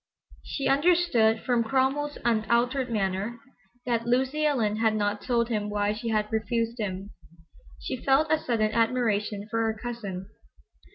She understood from Cromwell's unaltered manner that Lucy Ellen had not told him why she had refused him. She felt a sudden admiration for her cousin.